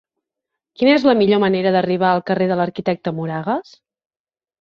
Quina és la millor manera d'arribar al carrer de l'Arquitecte Moragas?